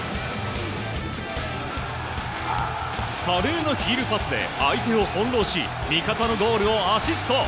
華麗なヒールパスで相手をほんろうし味方のゴールをアシスト。